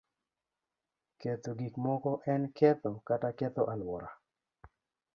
Ketho gik moko en ketho kata ketho alwora.